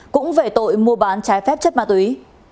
cũng về tội mua bán trái phép chất ma túy